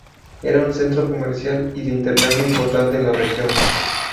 Era un centro comercial y de intercambio importante en la región.